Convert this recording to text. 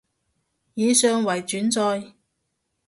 以上為轉載